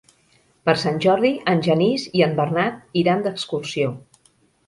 Per Sant Jordi en Genís i en Bernat iran d'excursió.